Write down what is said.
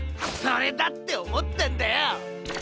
それだっておもったんだよ。